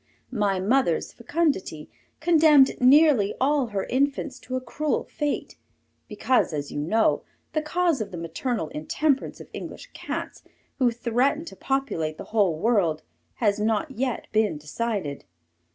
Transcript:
My mother's fecundity condemned nearly all her infants to a cruel fate, because, as you know, the cause of the maternal intemperance of English cats, who threaten to populate the whole world, has not yet been decided.